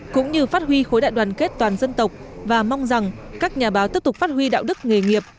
cũng như phát huy khối đại đoàn kết toàn dân tộc và mong rằng các nhà báo tiếp tục phát huy đạo đức nghề nghiệp